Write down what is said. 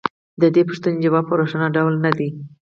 د دې پوښتنې ځواب په روښانه ډول نه دی